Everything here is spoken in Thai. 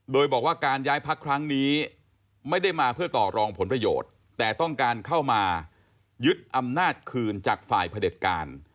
โดยบอกว่าการย้ายพักครั้งนี้ไม่ได้มาเพื่อต่อรองผลประโยชน์แต่ต้องการเข้ามายึดอำนาจคืนจากฝ่ายพระเด็จการ